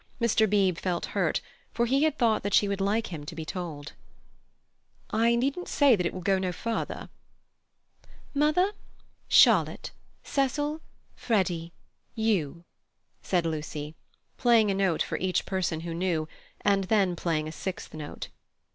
Mr. Beebe felt hurt, for he had thought that she would like him to be told. "I needn't say that it will go no further." "Mother, Charlotte, Cecil, Freddy, you," said Lucy, playing a note for each person who knew, and then playing a sixth note.